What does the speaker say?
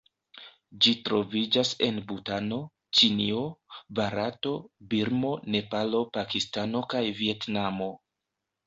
Ĝi troviĝas en Butano, Ĉinio, Barato, Birmo, Nepalo, Pakistano kaj Vjetnamo.